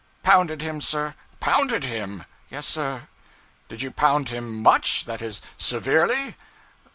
'Pounded him, sir.' 'Pounded him?' 'Yes, sir.' 'Did you pound him much? that is, severely?'